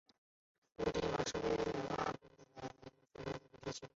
卢嫩堡是位于美国阿肯色州伊泽德县的一个非建制地区。